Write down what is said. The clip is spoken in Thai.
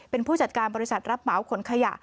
เป็นผู้จัดการบริษัทรับเหมาขนขยะ